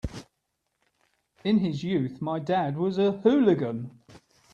In his youth my dad was a hooligan.